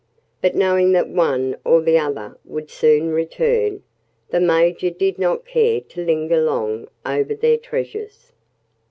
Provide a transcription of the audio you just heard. But knowing that one or the other would soon return, the Major did not care to linger long over their treasures.